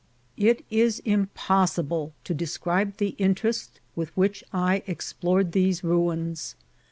It is impossible to describe the interest with which I explored these ruins.